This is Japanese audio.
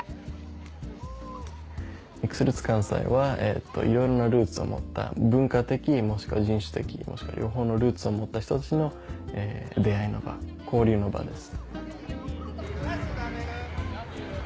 ミックスルーツ関西はいろんなルーツを持った文化的もしくは人種的もしくは両方のルーツを持った人たちの出会いの場交流の場です。